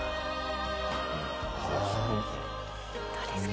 どうですか？